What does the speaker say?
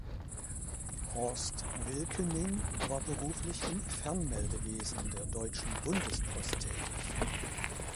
Horst Wilkening war beruflich im Fernmeldewesen der Deutschen Bundespost tätig.